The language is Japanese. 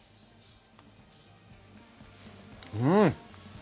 うん。